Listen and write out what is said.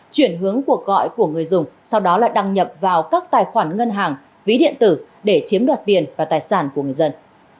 chuyển hướng cuộc gọi của người dùng sau đó là đăng nhập vào các tài khoản ngân hàng ví điện tử để chiếm đoạt tiền và tài sản của người dân